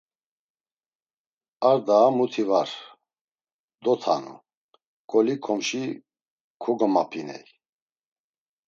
Ar daa muti var; dotanu, ǩoli ǩomşi kogomapiney.